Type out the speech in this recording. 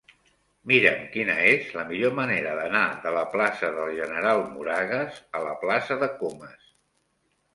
Mira'm quina és la millor manera d'anar de la plaça del General Moragues a la plaça de Comas.